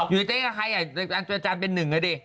อยู่เต้นกับใครอ่ะอาจารย์เป็นหนึ่งอ่ะดิ